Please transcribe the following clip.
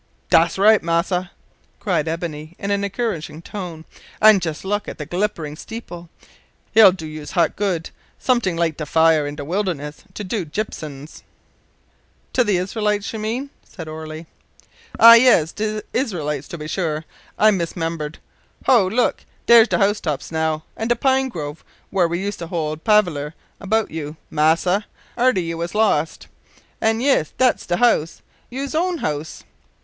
"Dat's right massa!" cried Ebony, in an encouraging tone; "an' jus' look at the glipperin' steepil. He'll do yous heart good somet'ing like de fire in de wilderness to de Jipshins " "To the Israelites you mean," said Orley. "Ah, yis de Izlrights, to be sure. I mis remembered. Ho! look; dar's de house tops now; an' the pine grove whar' we was use to hold palaver 'bout you, Massa, arter you was lost; an' yis dat's de house yous own house.